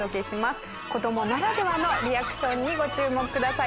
子どもならではのリアクションにご注目ください。